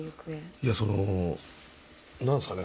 いやその何ですかね